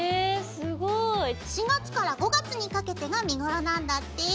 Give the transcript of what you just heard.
すごい！４月から５月にかけてが見頃なんだって！